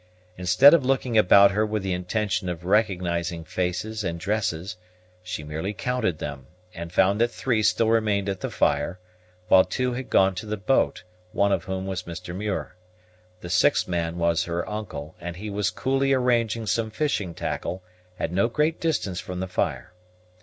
Instead of looking about her with the intention of recognizing faces and dresses, she merely counted them; and found that three still remained at the fire, while two had gone to the boat, one of whom was Mr. Muir. The sixth man was her uncle; and he was coolly arranging some fishing tackle at no great distance from the fire.